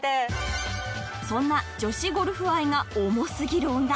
そんな女子ゴルフ愛が重すぎる女